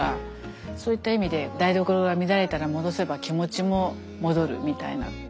そういった意味で台所が乱れたから戻せば気持ちも戻るみたいな。